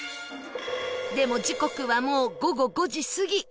でも時刻はもう午後５時過ぎ